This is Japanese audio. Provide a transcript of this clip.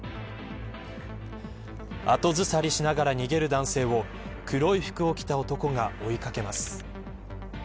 後ずさりしながら逃げる男性を黒い服を着た男が追い掛けます。